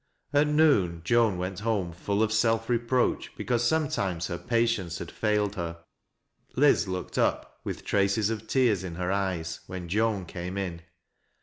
At noon Joan went home full of self reproach because sanetimes her patience had failed her. Liz looked up irith traces of tears in her eyes, when Joan came in.